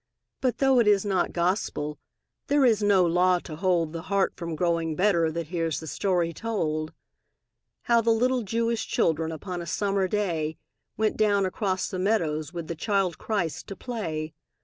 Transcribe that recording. But though it is not Gospel, There is no law to hold The heart from growing better That hears the story told: How the little Jewish children Upon a summer day, Went down across the meadows With the Child Christ to play.